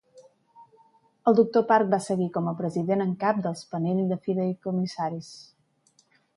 El Doctor Park va seguir com a president en cap dels panell de fideïcomissaris.